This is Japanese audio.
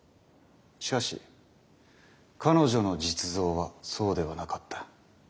しかし彼女の実像はそうではなかった。